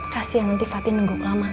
kasihan nanti fatin nunggu kelamaan